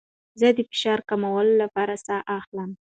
زه د فشار کمولو لپاره ساه اخلم.